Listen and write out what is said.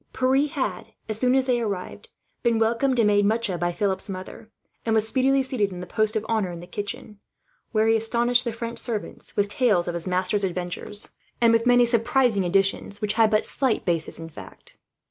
Pierre had, as soon as they arrived, been welcomed and made much of by Philip's mother; and was speedily seated in the post of honour in the kitchen, where he astonished the French servants with tales of his master's adventures, with many surprising additions which had but slight basis of fact.